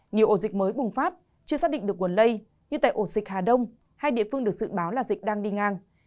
nhiều ổ dịch mới bùng phát chưa xác định được nguồn lây như tại ổ dịch hà đông hay địa phương được dự báo là dịch đang đi ngang